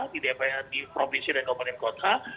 di dpr di provinsi dan kabupaten kota